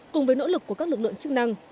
cùng với nỗ lực của các lực lượng chức năng